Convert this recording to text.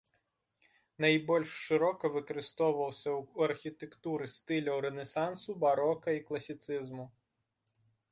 Найбольш шырока выкарыстоўваўся ў архітэктуры стыляў рэнесансу, барока і класіцызму.